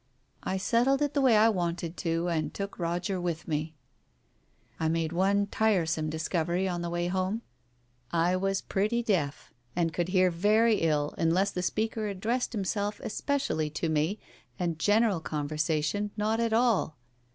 I settled it the way I wanted to and took Roger with me. I made one tiresome discovery on the way home. I Digitized by Google THE WITNESS 197 was pretty deaf, and could hear very ill unless the speaker addressed himself especially to me, and general conversation not at all.